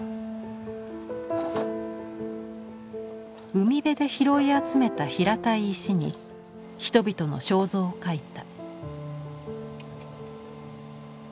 海辺で拾い集めた平たい石に人々の肖像を描いた。